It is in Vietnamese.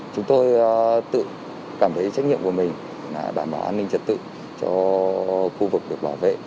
chúng tôi tự cảm thấy trách nhiệm của mình là đảm bảo an ninh trật tự cho khu vực được bảo vệ